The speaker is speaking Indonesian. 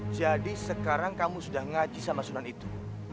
jadi sekarang kamu sudah mengaji sama sunan itu